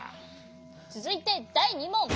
つづいてだい２もん。